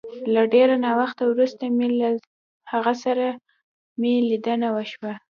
له ډېره وخته وروسته مي له هغه سره مي ليدنه وشوه